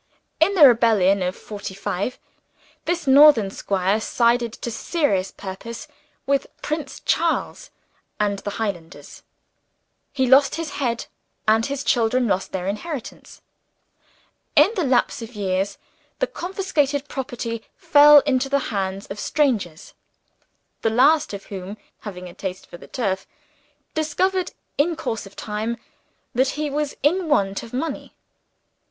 In the rebellion of Forty Five, this northern squire sided to serious purpose with Prince Charles and the Highlanders. He lost his head; and his children lost their inheritance. In the lapse of years, the confiscated property fell into the hands of strangers; the last of whom (having a taste for the turf) discovered, in course of time, that he was in want of money.